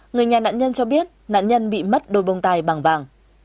người nhà nạn nhân cho biết nạn nhân bị mất đôi bông tai bằng vàng